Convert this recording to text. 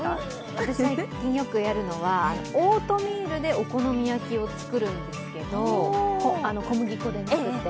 私が最近よくやるのはオートミールでお好み焼きを作るんですけれど小麦粉じゃなくって。